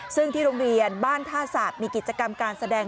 ซึ่งที่โรงเรียนบ้านท่าศาสตร์มีกิจกรรมการแสดง